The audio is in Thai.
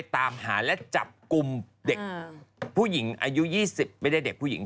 ตามหาและจับกลุ่มเด็กผู้หญิงอายุ๒๐ไม่ได้เด็กผู้หญิง